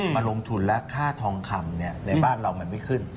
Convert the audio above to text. มาลงทุนและค่าทองคำในบ้านเรามันไม่ขึ้น